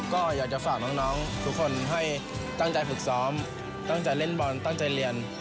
ก็อยากจะฝากน้องทุกคนให้ตั้งใจฝึกซ้อมตั้งใจเล่นบอลตั้งใจเรียน